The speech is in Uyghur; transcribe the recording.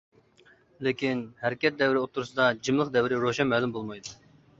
لېكىن ھەرىكەت دەۋرى ئوتتۇرىسىدا جىملىق دەۋرى روشەن مەلۇم بولمايدۇ.